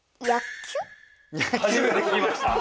はじめて聞きました？